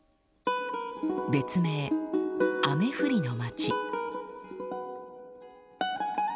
別名「雨降りの町」。